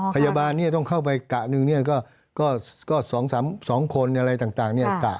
พยาบาลเนี่ยต้องเข้าไปกะหนึ่งเนี่ยก็๒คนอะไรต่างเนี่ย